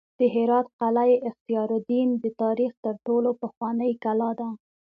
د هرات قلعه اختیارالدین د تاریخ تر ټولو پخوانۍ کلا ده